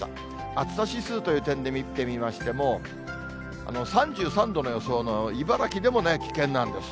暑さ指数という点で見てみましても、３３度の予想の茨城でもね、危険なんです。